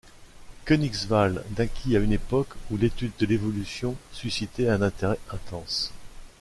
Koenigswald naquit à une époque où l’étude de l’évolution suscitait un intérêt intense.